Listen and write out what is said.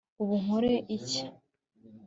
ubu nkore iki